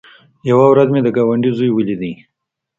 يوه ورځ مې د گاونډي زوى وليد.